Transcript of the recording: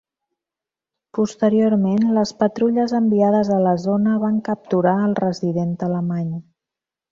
Posteriorment, les patrulles enviades a la zona van capturar al resident alemany.